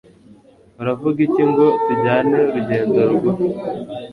Uravuga iki ngo tujyane urugendo rugufi?